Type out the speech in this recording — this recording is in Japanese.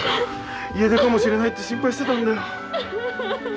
家出かもしれないって心配してたんだよ。